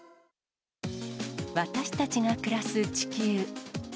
私たちが暮らす地球。